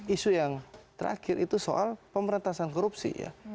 isu yang terakhir itu soal pemerintahan korupsi